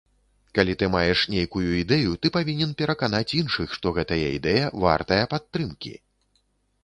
Калі ты маеш нейкую ідэю, ты павінен пераканаць іншых, што гэтая ідэя вартая падтрымкі.